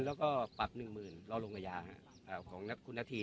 แล้วก็ปรับหนึ่งหมื่นรอนโรงอาญาอ่ะเอ่อของนับคุณนธี